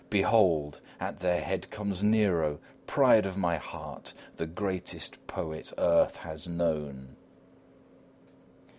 Behold! At their head comes Nero, pride of my heart, the greatest poet earth has known!